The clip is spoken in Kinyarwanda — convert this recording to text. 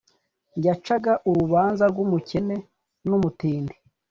yacaga urubanza rw’umukene n’umutindi